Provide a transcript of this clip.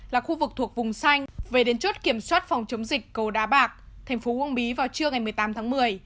là khu vực thuộc vùng xanh về đến chốt kiểm soát phòng chống dịch cầu đá bạc thành phố uông bí vào trưa ngày một mươi tám tháng một mươi